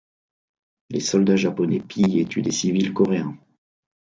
Les soldats japonais pillent et tuent des civils coréens.